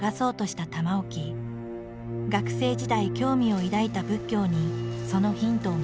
学生時代興味を抱いた仏教にそのヒントを求める。